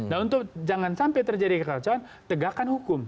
nah untuk jangan sampai terjadi kekacauan tegakkan hukum